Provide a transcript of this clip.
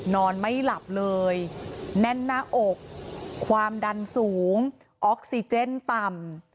นอนไม่หลับเลยแน่นหน้าอกความดันสูงออกซิเจนต่ำ